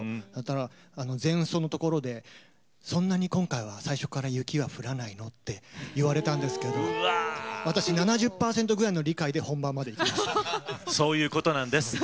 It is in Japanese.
前奏のところでそんなに今回は最初から雪が降らないの、と言われたんですけど私、７０％ぐらいの理解でそういうことなんです。